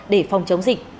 để phòng chống dịch